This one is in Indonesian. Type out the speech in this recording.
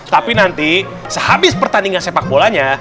tapi nanti sehabis pertandingan sepak bolanya